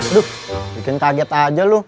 aduh bikin kaget aja loh